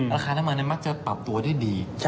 ราคาน้ำมันมักจะปรับตัวได้ดี